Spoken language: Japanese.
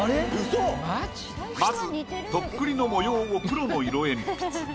まずとっくりの模様を黒の色鉛筆で。